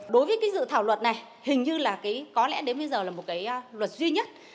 đối với dự thảo luật này hình như có lẽ đến bây giờ là một luật duy nhất